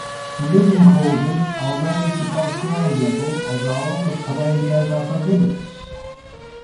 The living quarters are raised above ground-level, as are all of Palladio's other villas.